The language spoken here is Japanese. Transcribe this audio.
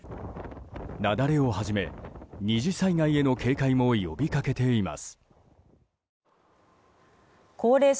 雪崩をはじめ、２次災害への警戒も呼びかけています。